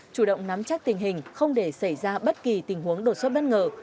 chủ động nắm chắc tình hình không để xảy ra bất kỳ tình huống đột xuất bất ngờ